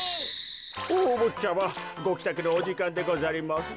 おおぼっちゃまごきたくのおじかんでござりますぞ。